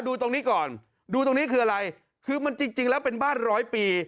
ดูตรงนี้ก่อนดูตรงนี้คืออะไรคือมันจริงจริงแล้วเป็นบ้านร้อยปี